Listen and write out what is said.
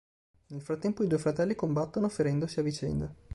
Nel frattempo i due fratelli combattono ferendosi a vicenda.